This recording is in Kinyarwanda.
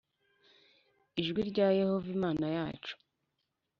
ijwi rya Yehova Imana yacu